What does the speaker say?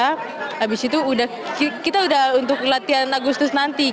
habis itu kita udah untuk latihan agustus nanti